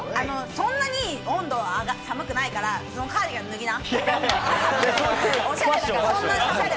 そんなに温度は寒くないから、そのカーディガン、脱ぎな。